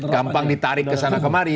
gampang ditarik kesana kemari